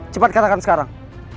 cepat katakan sekarang